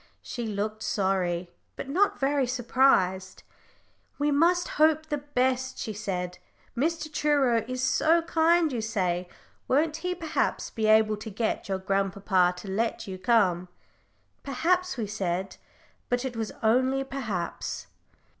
She looked sorry, but not very surprised. "We must hope the best," she said. "Mr. Truro is so kind, you say. Won't he, perhaps, be able to get your grandpapa to let you come?" "Perhaps," we said. But it was only "perhaps."